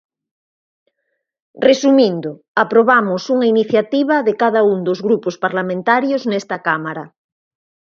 Resumindo: aprobamos unha iniciativa de cada un dos grupos parlamentarios nesta cámara.